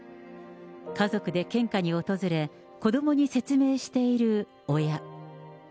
家族で献花に訪れ、子どもに説明している親。